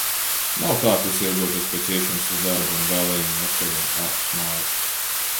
Nav tā, ka es ilgotos pēc iešanas uz darbu un vēlajiem vakariem ārpus mājas.